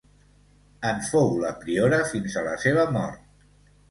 En fou la priora fins a la seva mort.